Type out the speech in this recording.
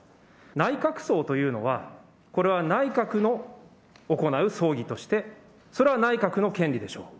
内閣葬というのは、これは内閣の行う葬儀として、それは内閣の権利でしょう。